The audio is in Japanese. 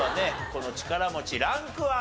この力持ランクは？